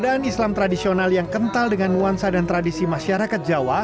penandaan tradisional yang kental dengan wansa dan tradisi masyarakat jawa